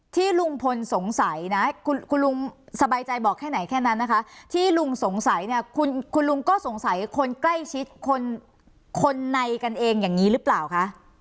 ที่ลุงพลสงสัยนะคุณลุงสบายใจบอกแค่ไหนแค่นั้นนะคะที่ลุงสงสัยเนี่ยคุณลุงก็สงสัยคนใกล้ชิดคนในกันเองอย่างนี้หรือเปล่าคะ